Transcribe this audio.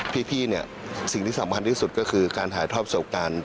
พี่เนี่ยสิ่งที่สำคัญที่สุดก็คือการถ่ายทอดประสบการณ์